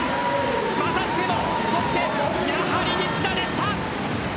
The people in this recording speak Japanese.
またしてもそして、やはり西田でした。